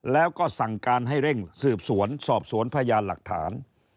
แล้วก็สั่งการให้เร่งสืบสวนสอบสวนพยานหลักฐาน